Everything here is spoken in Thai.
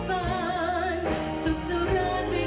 ส่งแว่นที่รักที่พึ่งริ่งในเราสักเมื่อ